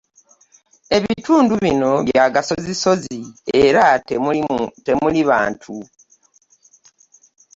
Ebitundu bino bya gasozisozi era temuli bantu.